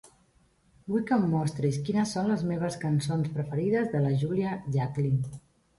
Vull que em mostris quines són les meves cançons preferides de la Julia Jacklin.